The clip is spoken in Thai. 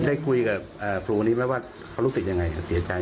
ได้คุยกับครูนี้ไหมว่าเขารู้ติดอย่างไรเสียใจได้ไหม